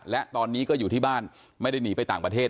และตอนนี้ก็อยู่ที่บ้านไม่ได้หนีไปต่างประเทศ